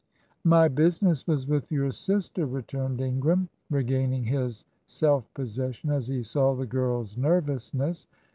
"My business was with your sister," returned Ingram, regaining his self possession as he saw the girl's nervousness.